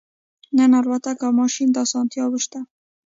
نن الوتکه او ماشین او اسانتیاوې شته